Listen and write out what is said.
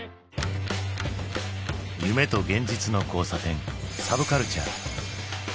夢と現実の交差点サブカルチャー。